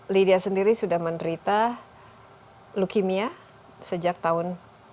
lydia sendiri sudah menderita leukemia sejak tahun